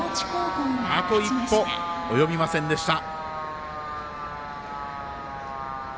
あと一歩、及びませんでした。